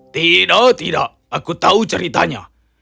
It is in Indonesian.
tidak tidak aku tahu ceritanya